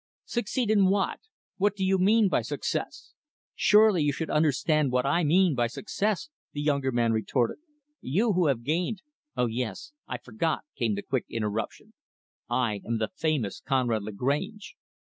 "Succeed in what? What do you mean by success?" "Surely, you should understand what I mean by success," the younger man retorted. "You who have gained " "Oh, yes; I forgot" came the quick interruption "I am the famous Conrad Lagrange.